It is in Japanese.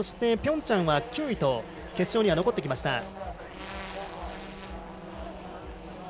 ピョンチャンは９位と決勝には残ってきました。